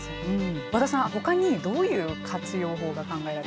和田さんほかにどういう活用法が考えられますか。